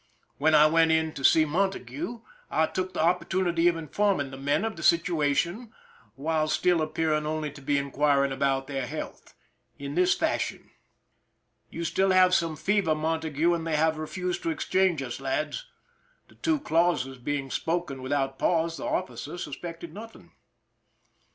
When I went in to see Montague, I took the opportunity of informing the men of the situation while still appearing only to be inquiring about their health, in this fashion :" You still have some fever, Montague, and they have refused to exchange us, lads." The two clauses being spoken without pause, the officer suspected nothing.